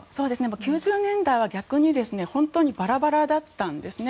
９０年代は逆に本当にバラバラだったんですね。